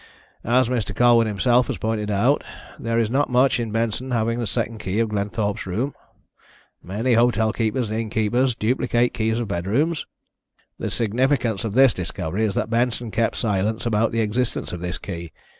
As Mr. Colwyn himself has pointed out, there is not much in Benson having a second key of Glenthorpe's room. Many hotel keepers and innkeepers keep duplicate keys of bedrooms. The significance of this discovery is that Benson kept silence about the existence of this key.